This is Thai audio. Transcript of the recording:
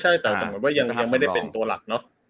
ใช่แต่ยังไม่ได้เป็นตัวหลักเนอะ